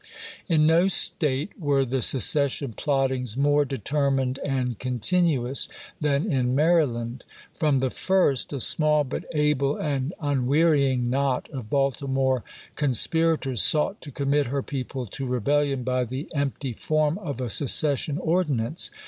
In no State were the secession plottings more de termined and continuous than in Maryland. From the first a small but able and unwearying knot of Baltimore conspirators sought to commit her people to rebellion by the empty form of a seces sion ordinance.